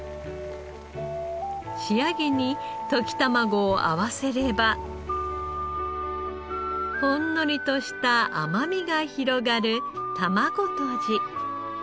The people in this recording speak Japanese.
仕上げに溶き卵を合わせればほんのりとした甘みが広がる玉子とじ。